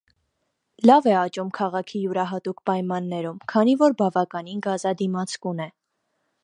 Լավ է աճում քաղաքի յուրահատուկ պայմաններում, քանի որ բավականին գազադիմացկուն է։